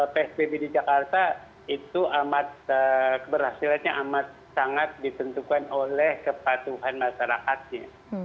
psbb di jakarta itu amat keberhasilannya amat sangat ditentukan oleh kepatuhan masyarakatnya